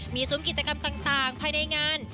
มีซุ้มกิจกรรมต่างภายในงาน